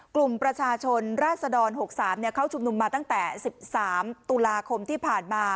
กลุ่มประชาชนราศดร๖๓เข้าชุมนุมมาตั้งแต่๑๓ตุลาคมที่ผ่านมา